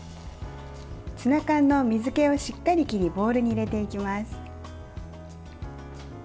ツナ缶の水けをしっかり切りボウルに入れていきます。